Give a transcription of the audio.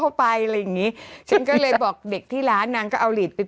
ไปอะไรอย่างงี้ฉันก็เลยบอกเด็กที่ร้านนางก็เอาหลีดไป